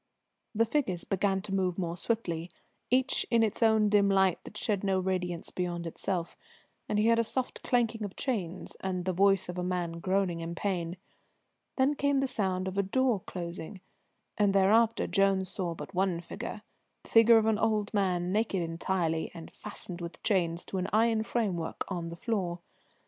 The figures began to move more swiftly, each in its own dim light that shed no radiance beyond itself, and he heard a soft clanking of chains and the voice of a man groaning in pain. Then came the sound of a door closing, and thereafter Jones saw but one figure, the figure of an old man, naked entirely, and fastened with chains to an iron framework on the floor.